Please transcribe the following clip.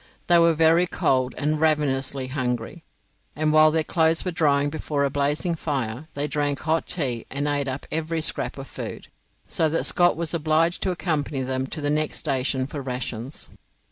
They were very cold, and ravenously hungry; and while their clothes were drying before a blazing fire, they drank hot tea and ate up every scrap of food, so that Scott was obliged to accompany them to the next station for rations.